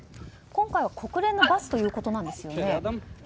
今回、国連のバスということなんですよね。